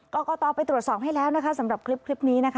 กรกตไปตรวจสอบให้แล้วนะคะสำหรับคลิปนี้นะคะ